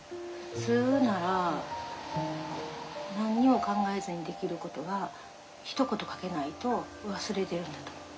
普通なら何にも考えずにできる事がひと言かけないと忘れてるんだと思う。